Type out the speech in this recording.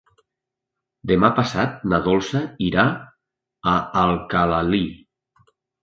Demà passat na Dolça irà a Alcalalí.